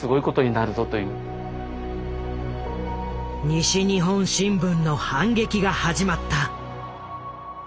西日本新聞の反撃が始まった。